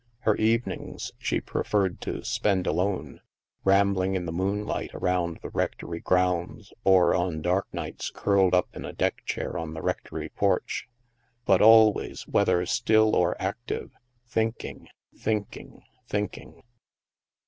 Her evenings she preferred to spend alone, rambling in the moonlight around the rectory grounds, or on dark nights curled up in a deck chair on the rectory porch. But always, whether still or active, thinking, thinking, thinking.